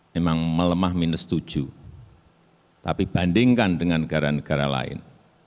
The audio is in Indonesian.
memang melemah minus tujuh tapi bandingkan dengan negara negara lain